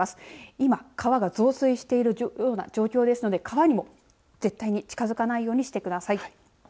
今、川が増水しているような状況ですので川にも絶対に近づかないようにしてください。